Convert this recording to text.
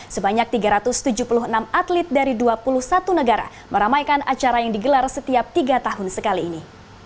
sebanyak tiga ratus tujuh puluh enam atlet dari dua puluh satu negara meramaikan acara yang digelar setiap tiga tahun sekali ini